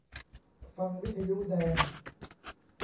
ฟังวิทยุแดง